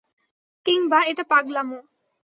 কিংবা এটা পাগলামো।